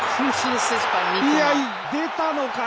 出たのかな？